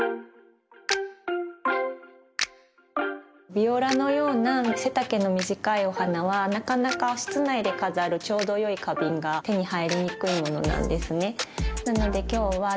ビオラのような背丈の短いお花はなかなか室内で飾るちょうどよい花瓶が手に入りにくいものなんですね。